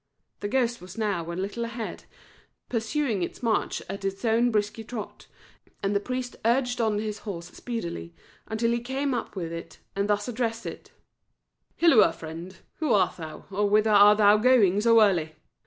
The ghost was now a little ahead, pursuing its march at its usual brisk trot, and the priest urged on his horse speedily until he came up with it, and thus addressed it "Hilloa, friend! who art thou, or whither art thou going so early?"